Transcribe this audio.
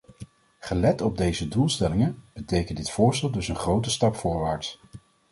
Gelet op deze doelstellingen betekent dit voorstel dus een grote stap voorwaarts.